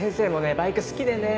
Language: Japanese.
バイク好きでねぇ。